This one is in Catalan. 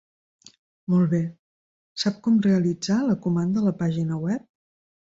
Molt bé, sap com realitzar la comanda a la pàgina web?